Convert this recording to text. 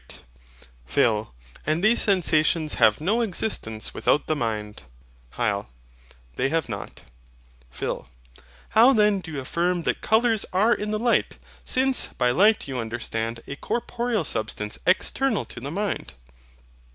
Right. PHIL. And these sensations have no existence without the mind. HYL. They have not. PHIL. How then do you affirm that colours are in the light; since by LIGHT you understand a corporeal substance external to the mind?